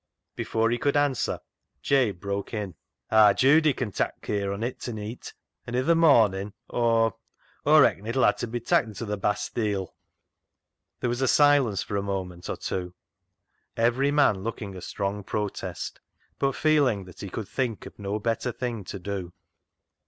Before we could answer, Jabe broke in —" Aar Judy can tak' cur on it ta neet, and i' th' morning Aw — Aw — reacon it'll ha' ta be ta'n to th' bastile [workhouse]." There was silence for a moment or two, every man looking a strong protest, but feeling that he could think of no better thing to do.